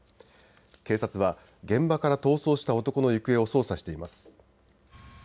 警察は現場から逃走した男の行方を捜査しています。